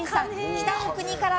「北の国から」